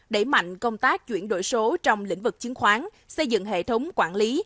đẩy mạnh công tác chuyển đổi số trong lĩnh vực chứng khoán xây dựng hệ thống quản lý